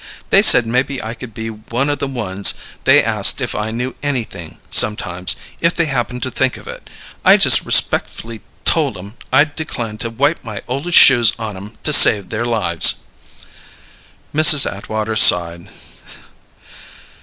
"They said maybe I could be one o' the ones they asked if I knew anything, sometimes, if they happened to think of it! I just respectf'ly told 'em I'd decline to wipe my oldest shoes on 'em to save their lives!" Mrs. Atwater sighed.